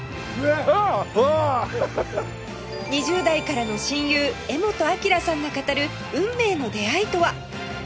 ２０代からの親友柄本明さんが語る運命の出会いとは？